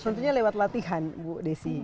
tentunya lewat latihan bu desi